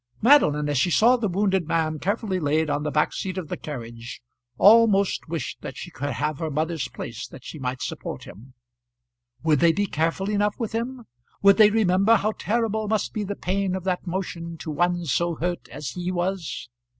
Madeline, as she saw the wounded man carefully laid on the back seat of the carriage, almost wished that she could have her mother's place that she might support him. Would they be careful enough with him? Would they remember how terrible must be the pain of that motion to one so hurt as he was?